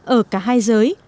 ở cả hai giới